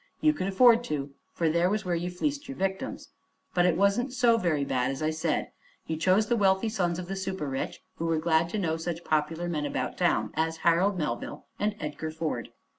You could afford to, for there was where you fleeced your victims. But it wasn't so very bad, as I said. You chose the wealthy sons of the super rich, who were glad to know such popular men about town as Harold Melville and Edgar Ford.